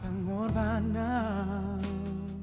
kamu gak perlu khawatir kok